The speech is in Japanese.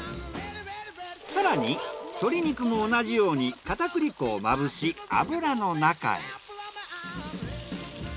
更に鶏肉も同じように片栗粉をまぶし油の中へ。